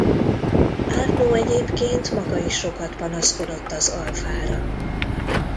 Arnoux egyébként maga is sokat panaszkodott az Alfára.